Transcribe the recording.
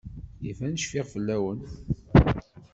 Iban cfiɣ fell-awen.